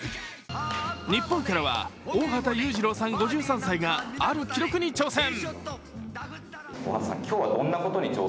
日本からは大畑雄次郎さん５３歳がある記録に挑戦。